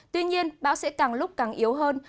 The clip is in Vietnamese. tuy nhiên bão sẽ càng lúc càng yếu hơn